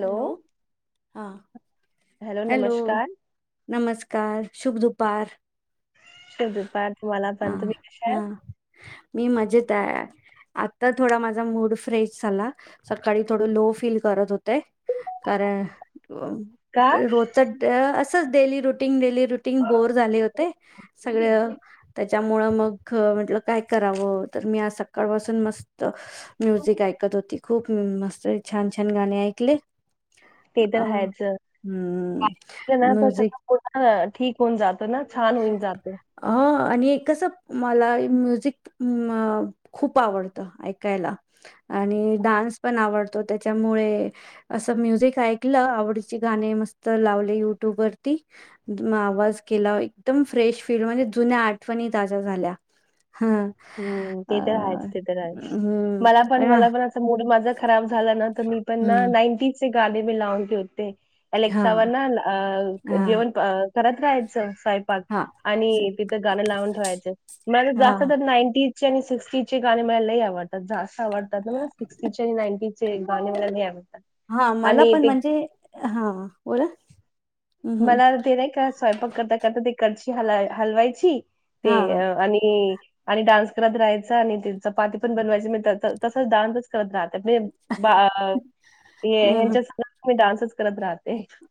Hello, हा hello, नमस्कार. शुभ दुपार. शद पार तुम्हाला हा पण तुम्ही कशा हा आहेत? मी मजेत आहे आता थोडा माझा मूड फ्रेश झाला सकाळी थोडं लो फील करत हो ते कार अ का रोजचा डे अस असंच daily routine, daily routine. Routine bore झाले होते. सगळं ते त्यामुळ मग म्हटलं काय करावं तर मी आज सकाळपासून मस्त म्युझिक ऐकत होती. खूप मस्त छान छान गाणे आहेत. [unintelligible] ते तर हायच हम्म ना म्युझिक सगळं पर् ठीक होऊन जात ना. छान होईन जात. अ, आणि एकस मला म्युझिक अ खूप आवडतं ऐकायला. आणि डान्स पण आवडतो. त्याच्यामुळे असं म्युझिक ऐकलं आवडीची गाणे मस्त लावले युट्यूब वरती आवाज केला. एकदम फ्रेश फील म्हणजे जुन्या आठवणी ताज्या झाल्या. हां. हम्म अ, ते तर आहेच ते तर आहे हं. मला पण हां, मला पण असड माझा खराब झा ना मी पण हं. नांटी गाडी म लावते उते. हां, अलेक्सावर अ हां, जेवण करत राहायचं स्वैपाक हां. स आणि तिथं गाणं लावून ठेवायच म्ह जास्त हां, चे आणि सिक्सटी चे गाणे मला लय आवड जा सांग आता मला सिक्स्टीचे आणि नायन्टिजचे गाणे मला नाही आवडतात हां. मला आणि पण ते म्हणजे हां, बोला. हं, हं. मला ते नाही का स्वयंपाक करता करता ते कडची हला हलवायची ते हां. आणि आणि डान्स करत राहायच. आणि चपाती पण बनवायची म तसंच दडानच करत राह बा हं, हं. हच्या डान् [unintelligible] करत रहा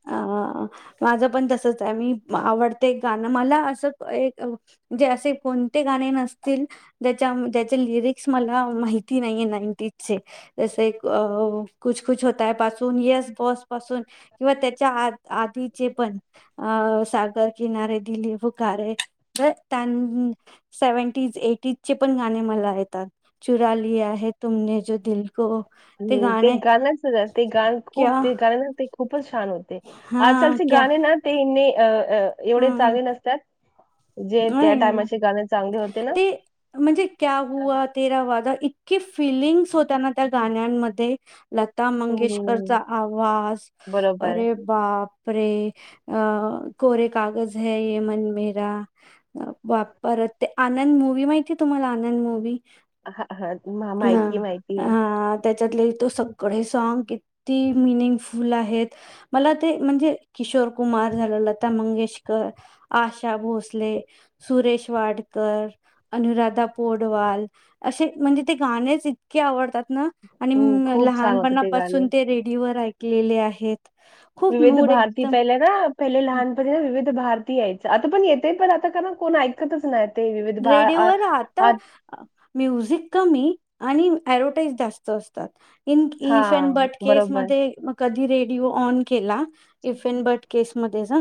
अ माझं पण तसच आहे मी आवडते एक गाणं मला असं एक जे असे कोणते गाणे नसतील जच्या ज्याचे लिरिक्स मला माहिती नाहीये नाईनटीजचे जसे कुछ कुछ होत पासून येस बॉस पासून किंवा त्याच्या आ आधीचे पण अ किनारे दिली फुकारे त्यां सेवन एटीज चे पण गाणे मला येतात चुरा लिया हे तुमने जो दिल को हम् ते गाणे गाणच ते गाण क्या खूप ते गाणं ते खूपच छान होते हा आजकालचे क्या गाणे ना ते अ अ एवढे चांगले नसतात जे त्या हम् टायमाचे गाणे चांगले होते ना ते म्हणजे फिलिंगस होत्या ना त्या गाण्यांमध्ये लता हं, मंगेशकरचा आवाज बरोबर. अरे बाप आपरे अ कोरे कागज ह ये मनमेरा वापरत ते आनंद मूवी माहिती आहे तुम्हाला आनंद मूवी हा हा माहिती माहिती त्यातले सगळे सांग किती मिनिंगफुल आहेत मला ते म्हणजे किशोर कुमार झाल लता मंगेश आशा भोसले सुरेश वाडकर अनुराधा पोडवाल असे म्हणजे ते गाणेच इतके आवडतात आणि हो खूप छान होतं ते गाणे. लहानपणापासून ते रेडिओ वर ऐकलेले आहे विविध भारती पहिले ना पहिले लहानपनी विविध भारतीय यायच आता पण येते पण आता का कोण ऐकतच नाही ते विविध भा रेडिओ व आ आता आ म्युझिक कमी आणि ऍडव्हटाईज जास्त असतात इन इफ अड हां, बट केस बरोबर. मध्ये कधी रेडिओ ओन केला इफ इन बट केस मधेच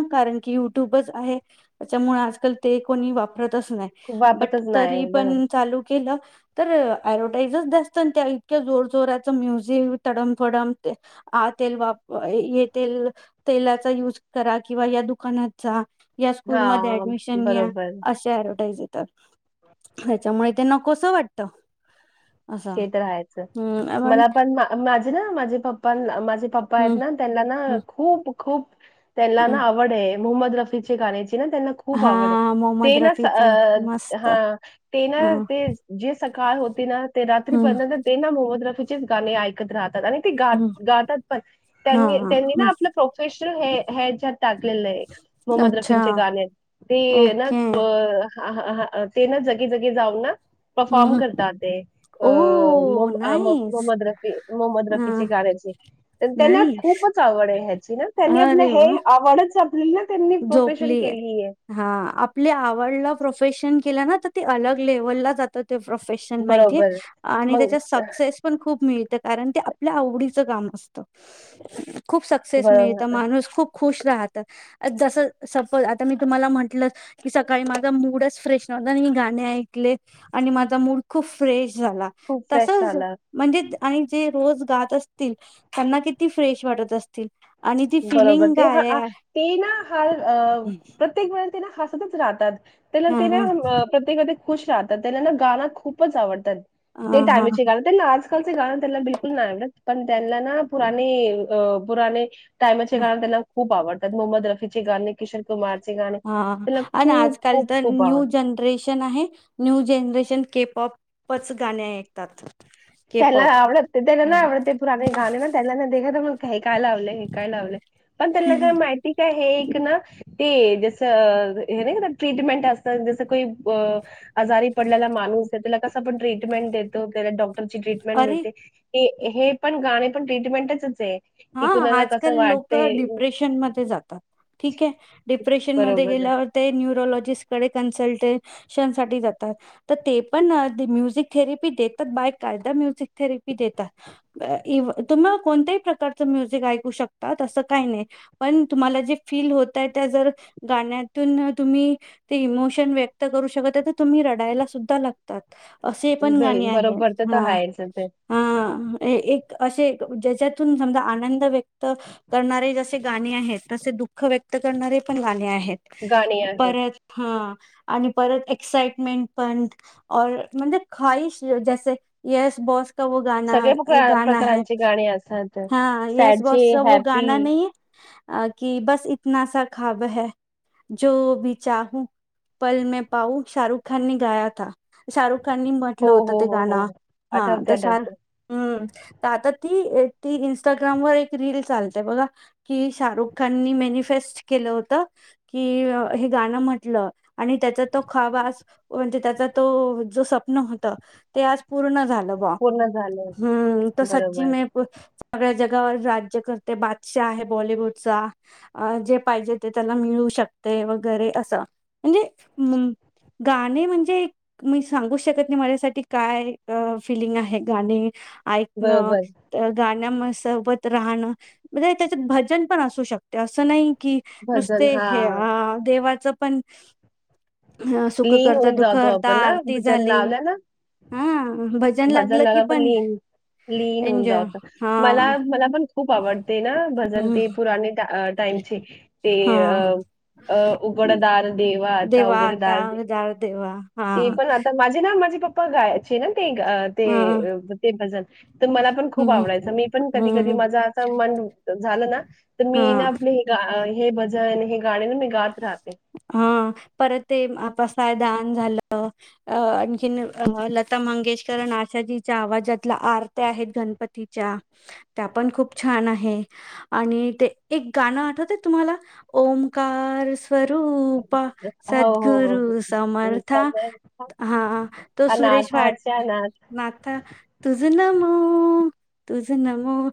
कि युटू त्यामुळे आजकल ते कोणी वापरतच नाही खूप बट वापरतच नाही. तरी बरोबर. पण चालू केलं तर अडव्हटाईज जास्त त्या इतक्या जोर जोराच म्युझिक तडमफडम आ तेल वाप ये तेल तेलाचा युज करा किंवा या दुकानात जा या स्कूलमध्येध्ये हां, अऍडमिशन घ्या बरोबर. असे ऍडव्हटाईज तर त्याच्यामुळे त्यांना कसं वाटत ट्ट हे तर राहायचं मला पण माझे ना माझे पप्पा न माझे पप्पा आहेत हम्म ना त्यांना ना हम्म खूप खूप तेला ना हम्म आवडे मोहम्मद रफी चे गाण्याचे ते ना त्यांना खूप हा आवड आहे मोहम्मद ते ना रफी पण अअ मस्त हा ते ना हम्म ते जे सकाळ होती ना ते राात्री हम्म पना ते ना मोह रफी गाणे ऐकत राहात आणि ते हम्म गाता गातात पण हा त्यां त्यांनी ना हम्म आपल प्रोफेशन हहे है जात टाकलेलं आहे मोहम्मद अच्छा रफींचे गाणे ते ना ओके हा हा ते ना जगी जगी जाऊन ना हम्म परफॉर्म हम्म करता ते अ ओ मोहम् नाईस मोहम्मद हा रफीची गाण्याची तर त्यांना नाईस खूपच आवड आहे ह्याची ना त्यांनी आपलं हे आवड झोपलीए हा आपली आवडला प्रोफेशन केल ना तर ते अलग लेव्हलला जात ते प्रोफेशन माहितीए बरोबर आणि मग त्याच्या सक्सेस पण खूप मिळते कारण ते आपल्या आवडीचं काम असत खूप सक्सेस बरोबर मिळतं माणूस खूप खुश राहत जसं सपोज आता मी तुम्हाला म्हंटलं की सकाळी माझा मूडच फ्रेश नव्हता आणि मी गाणे ऐकले आणि माझा मूड खूप फ्रेश झाला खूप फ्रेश तसच झालं म्हणजेे आणि जे रोज गात असतील त्यांना किती फ्रेश वाटत असतील आणि ती फिलिंग काय ह प्रत्येक वेळे हसतच राहतात त्यालंत हां, हां. प्रत्येक खुश राहतात त्यांना ना गाना खूपच आवडतात ते हां, टाइमचे हां. गाण त्यां ना आज आजकालचे गाणं त्यांना बिलकुल नाही आवडत पण त्यांना ना पुराने अ पुराणे टाइमचे काळण त्याला खूप आवडतं मोहम्मद रफीचे गाणे किशोर कुमार हा आणि आजकाल तर खूप आवडतात न्यू जनरेशन न्यू जनरेशन केप ऑपच गाणी ऐकतात के त्याना पॉप आवडतते त्याला ना आवडते पुराणे गाणे म त्याना नाखा म्ह काय काय लावलं हे काय लावलंय पण त्यांना काय माहिती काय ना ते जसं ना ट्रीटमेंट असत जसं को अ आजारी पडलेला माणूस आहे त्याला कस ण ट्रीटमें देतो त्या डॉ ट्रीटमेंट अरे मिळते हे पण गाणे पण ट्रीटमेंटच आहे हा की कुणाला आजकाल कसं लोक वाटतंय डिप्रेशनमध्ये जातात ठीक आहे ऑपरेशन मध्ये बरोबर गेल्या वर ते न्यूरोलॉजी [unintelligible] ते पण म्युझिक थेरपी देतात. बाय कार्टन म्युझिक थेरपी देतात. तुम्हा कोणत्याही प्रकारचे म्युझिक ऐकू शकतात. असं काही नाही पण तुम्हाला जे फील होतयं, त्या जर गाण्यातून तुम्ही ते इमोशन व्यक्त करू शकत तर तुम्ही रडायला सुद्धा लागतात. असे पण गाणी आहेत. बरोबर तर तर हा आहेच ते हा एक असे ज्याच्यातून समजा आनंद व्यक्त करणारे जसे गाणे आहेत. तसे दुःख व्यक्त करणारे पण गाणे आहेत़. गाणी आहेत परत हा आणि परत एक्साइटमेंट पण म्हणजे ख जसे येस बस सगळे प्रकारांचे गाणी असतात. हा येस सॅडची बॉसचा वो गा हॅपी नही की, बस इतनासा ख्बा है जो भी चाहू पल मे पाऊ शाहरुख खान ने गाया था शाहरुख लोकांनी हो म्हंटलं होत. हो ते हो हो गाणं हा आठवते तशा आठवते [unintelligible] ती एक ती इनस्टाग्रामवर ती एक रील चालते. बघा की शाहरुख खाननी मॅनिफेस्ट केलं होत, की हे गाणं म्हटलं आणि त्याचा तो खाब आज म्हणजे, त्याचा तो जो स्वप्न होत ते आज पूर्ण झालं. [unintelligible] पूर्ण झालं तो सच्ची बरोबर मैं पुछ सगळ्या जगावर राज्य करते बादशाह आहे. बॉलिवूडचा जे पाहिजे ते त्याला मिळू शकते, वगैरे असं म्हणजे गाणे म्हणजे मी सांगू शकत नाही, माझ्यासाठी काय? फिलिंग, आहे. गाणे ऐकणा बरोबर [unintelligible] म्हणजे भजन पण असू शकत. असं नाही की, भजन नुसते हा हे देवाच पण अ सुख लीन करता होऊन दुखं जातो हरता आपण ना आरती भजन झाली, लावलं ना हा भजन लागलं की भजन [unintelligible] पण लीन, लीन होउन, एन्जॉय जाऊत. हा मला मला पण खूप आवड. ते ना हम्म भजनती पुराणी टाईमचे ते हा अ अ उघडदार देवा आता देवा आता उघडदार दे उदार देवा हा ते पण आता माझे नाही माझी पप्पा गायची ना ते हं ते ते भजन तर मला पण खूप हम्म आवडायचं. मी पण कधी कधी, हम्म माझा मन झालं, ना तर हा मी ना आपले हे भजन हे गाणे ना मी गात राहते. हा परत ते पसाय दान झालं, अ आणखीन लता मंगेशकर, आशाजीच्या आवाजातल्या आरत्या आहेत. गणपतीच्या त्या पण खूप छान आहे. आणि ते एक गाणं आठवत तुम्हाला ओंकार रूपा हो, हो, हो, सद्गुरु हो. समर्थ समर्थ हा तो सुरेश वाट अनाथाच्या अनाथ. नाथा तुझ ना. हो तुझ न नमों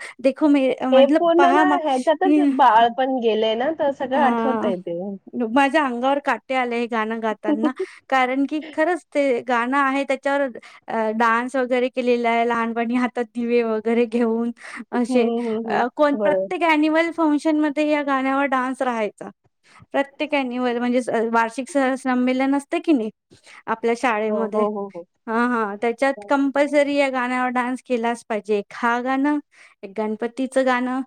हे पूर्ण ना ह्याच्यातच बाळ पण गेले ना. तर सगळं हा आठवतंय ते. हं, माझ्या अंगावर काट ते आले. गाणं गाताना कारण की खरंच ते गाणं आहे त्याच्यावर डान्स, वगैरे केलेला आहे. लहानपणी हातात दिवे वगैरे घेऊन. असे हं, हं. कोण बरोबर. प्रत्येक, अन्युअल फंक्शन म या गाण्यावर डान्स. हाय प्र [inaudible] संमल असत की नाही आपल्या हो, शाळेमध्ये हो, हो, हो. हा हा त्याच्यात कंपल्सरी आहे गाण्यावर डान्स केलाच पाहिजे एक हा गाणं एक गणपतीचं गाणं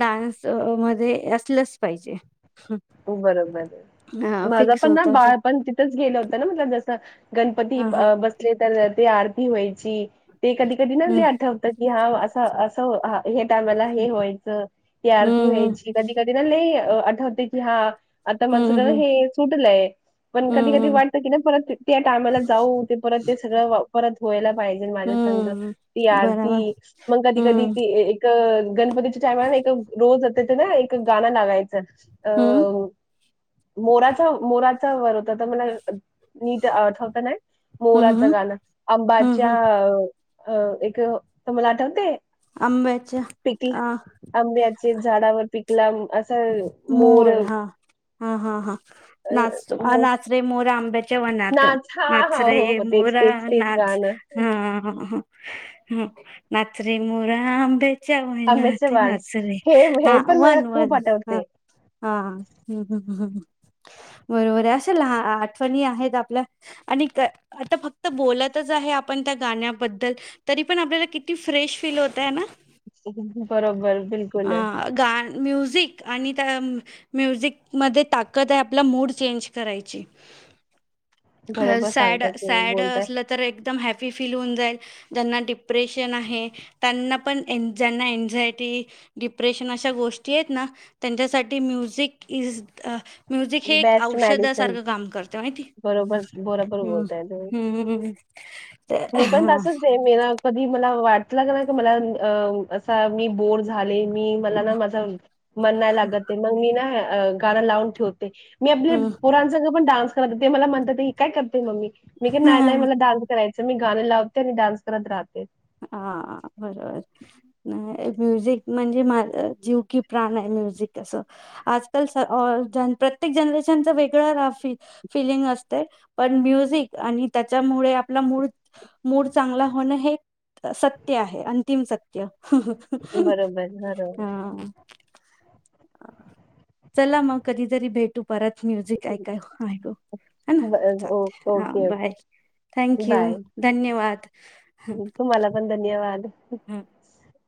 डान्स मध्ये अस पल पाहिजे बरोबर हां, माझं फिक्स पण ना होतं असं. बाळ पण तिथंच गेलं होतं ना म्ह जस गण पती हां, हां. अ बसले त्यांना ती आरती होई ते कधी कधी न ल हं, आठवतात कि हा असं असं हे टामला हं. हे व्हायचं यारदी हं, हं. होयची कधी कधी ना ल या अ आठव ह हा आता माझं हं, जरा हं. हे सुटलंय पण कधी हं, कधी हं. वाटत की ना परत त्या टामाला जाऊ ते परत ते सगळं परत वयला पाहिजे माझ्या संघ हं. ती बरोबर. आरती मग कधी कधी हं, ती एक गणपती ायमाला एक रोज तिथं ना एक गां लागायचं हं. अ मोराच्या मोरा होता तर मला नीट आठवत नाही हं, मोराचं हं. गाणं हं, आंबाच्या हं. अ एक तुम्हाला आठवते. आंब्याच्या पिकल आ आंब्याचे झाडावर पि पिकलम असं. मोर, हा हा हा हा, अ, नाच तो मोर नाच रे मोरा आंबेच्या च्यावनाथ नाच हा नाच हा रे हो हो तेच मोरा तेच तेच नाच गाणं हह. हम नाचरे मोरा आंब्या च्या आंब्याचं वनात, वाण नाच रे हे हे हा. पण मला वन खूप वन हा. आठवते हा हम् ह् ह बरोबर आहे. असे लहा आठवणी आहेत आपल्या आणि आता फक्त बोलतच आहे, आपण त्या गाण्याबद्दल तरी पण, आपल्याला किती फ्रेश फील होतय ना? बरोबर बिलकुल आहेत. आणित त म्यूजिक मध्ये ताकद आहे, आपला मूड चेंज करायची. अ बरोबर सॅड सांगताय तुम्ही सॅड बोलताय असलं तर, एकदम हॅप पी फील होऊन जाईल, ज्याना डिप्रेशन आहे त्यांना पण, ज्यांना एनझायटी, डिप्रेशन अश्या गोष्टी आहेत ना त्यांच्यासाठी music is the best medicine माहिती बरोबर बरोबर हम्म बोलताय तुम्ही हम्म ते मी पण हा तसंच [unintelligible] कधी मला वाट [unintelligible] की मला अम्म असा मी बोर झाले की मला ना माझं मन नाही लागत आहे, मग मी ना अ गाणं लावून ठेव ते. मी आपली हम्म पोरांचं क डान्स करते ते मला म्हणतात ही काय करते मम्मी? मी क नाही हा नाही मला डान्स कराय च मी गाणं लावते आणि डान्स करत राहते. हां बरोबर [unintelligible] म्युझिक म्हणजे माझं जीव की प्राण आहे. म्युझिक असं आजकाल स अ जन प्रत्येक जनरेशनच वेगळं रफी फिलिंग असतंय, पण म्युझिक आणि त्याच्यामुळे आपला मूड मूड चांगला होणं हे सत्य आहे अंतिम सत्य. बरोबर, बरोबर. हां अ चला मग कधीतरी भेटू परत. म्युझिक ऐकाय [unintelligible] हे ना? ब ओके, चालते हां okay. Bye thank you bye. धन्यवाद. तुम्हाला पण धन्यवाद. हा. [inaudible]